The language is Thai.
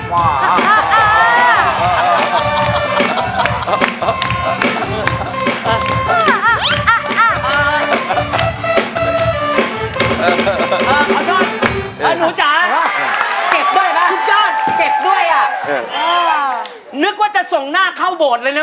เฮ้ยเขาดูใหม่มาแล้ว